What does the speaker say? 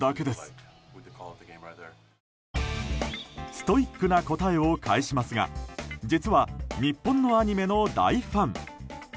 ストイックな答えを返しますが実は、日本のアニメの大ファン。